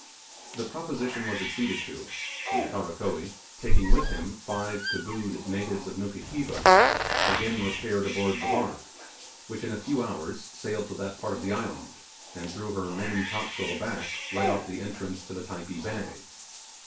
The proposition was acceded to; and Karakoee, taking with him five tabooed natives of Nukuheva, again repaired aboard the barque, which in a few hours sailed to that part of the island, and threw her main top sail aback right off the entrance to the Typee bay.